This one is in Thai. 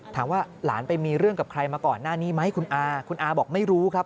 ถามว่าหลานไปมีเรื่องกับใครมาก่อนหน้านี้ไหมคุณอาคุณอาบอกไม่รู้ครับ